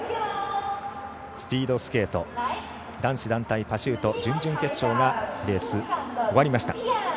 スピードスケート男子団体パシュート準々決勝がレース、終わりました。